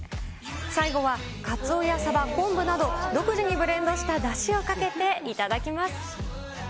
最後は、かつおやさば、昆布など、独自にブレンドしただしをかけていただきます。